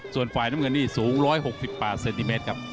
ส่วนฝ่ายน้ำเงินนี่สูง๑๖๘เซนติเมตรครับ